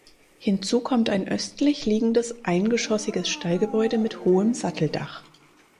Hinzu kommt ein östlich liegendes eingeschossiges Stallgebäude mit hohem Satteldach.